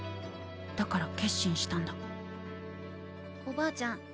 だから決心したんだおばあちゃん。